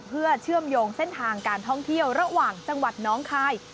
เพื่อเชื่อมโยงเส้นทางการท่องเที่ยวระหว่างจังหวัดน้องคาย